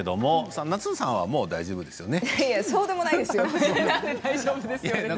夏菜さんはもう大丈夫ですよね。